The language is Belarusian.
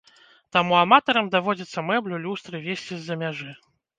Таму аматарам даводзіцца мэблю, люстры везці з-за мяжы.